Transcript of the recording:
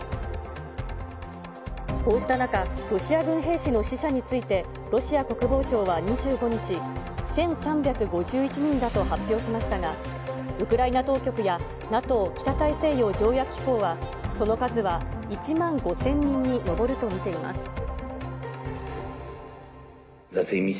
こうした中、ロシア軍兵士の死者について、ロシア国防省は２５日、１３５１人だと発表しましたが、ウクライナ当局や、ＮＡＴＯ・北大西洋条約機構はその数は１万５０００人に上ると見ています。